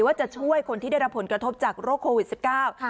ว่าจะช่วยคนที่ได้รับผลกระทบจากโรคโควิด๑๙